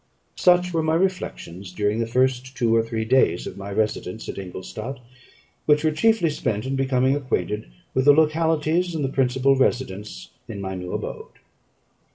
Such were my reflections during the first two or three days of my residence at Ingolstadt, which were chiefly spent in becoming acquainted with the localities, and the principal residents in my new abode.